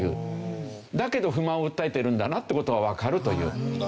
だけど不満を訴えているんだなって事はわかるという。